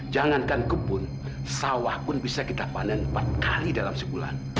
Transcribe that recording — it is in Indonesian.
jangankan kebun sawah pun bisa kita panen empat kali dalam sebulan